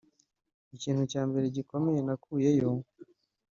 Ikintu cya mbere gikomeye nakuyeyo